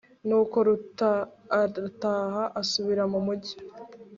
nuko ruta arataha, asubira mu mugi